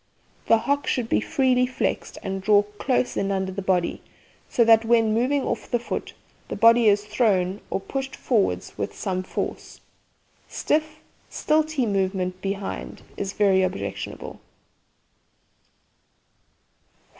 The hocks should be freely flexed and drawn close in under the body, so that, when moving off the foot, the body is thrown or pushed forward with some force. Stiff, stilty movement behind is very objectionable.